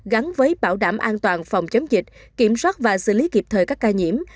gắn với bảo đảm an toàn phòng chống dịch kiểm soát và xử lý kịp thời các ca nhiễm